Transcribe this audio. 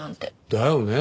だよね。